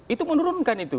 itu menurunkan itu